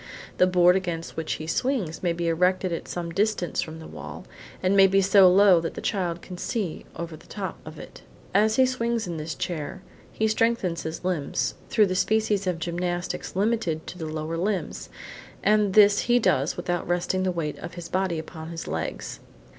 The board against which he swings may be erected at some distance from the wall, and may be so low that the child can see over the top of it. As he swings in this chair, he strengthens his limbs through the species of gymnastics limited to the lower limbs, and this he does without resting the weight of his body upon his legs.